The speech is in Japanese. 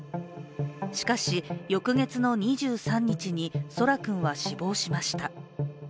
しかし、翌月の２３日に空来君は死亡しました。